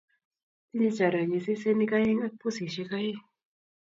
Tinye chorwennyu sesenik aeng' ak pusisyek aeng'